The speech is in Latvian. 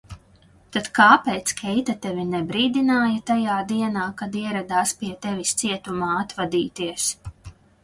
Tad kāpēc Keita tevi nebrīdināja tajā dienā, kad ieradās pie tevis cietumā atvadīties?